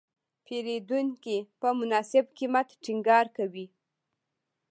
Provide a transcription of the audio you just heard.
پیرودونکی په مناسب قیمت ټینګار کوي.